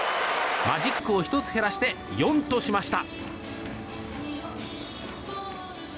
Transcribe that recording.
マジックを１つ減らして４としました。